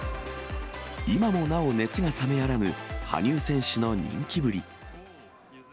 今もなお熱が冷めやらぬ羽生選手の人気ぶり。